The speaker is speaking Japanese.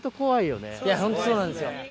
ホントそうなんですよ。